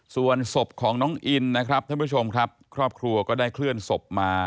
ส่วนศพของน้องอินนะครับท่านผู้ชมครับครอบครัวก็ได้เคลื่อนศพมา